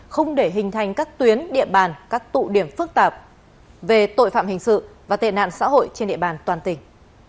không để hình thành các tuyến địa bàn các tụ điểm phức tạp về tội phạm hình sự và tệ nạn xã hội trên địa bàn toàn tỉnh